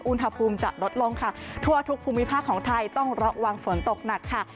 อุณหภูมิจะลดลงค่ะทั่วทุกภูมิภาคของไทยต้องระวังฝนตกหนักค่ะ